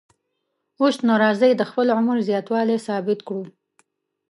اوس نو راځئ د خپل عمر زیاتوالی ثابت کړو.